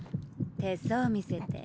手相見せて。